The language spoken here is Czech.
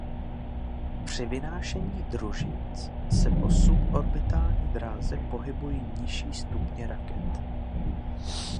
Při vynášení družic se po suborbitální dráze pohybují nižší stupně raket.